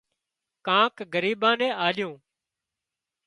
ڪانڪ ڳريٻان نين آليون